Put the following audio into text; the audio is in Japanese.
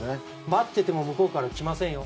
待ってても向こうから来ませんよ。